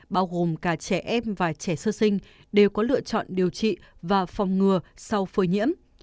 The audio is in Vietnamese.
bao gồm cả trẻ em và trẻ sơ sinh đều có lựa chọn điều trị và phòng ngừa sau phơi nhiễm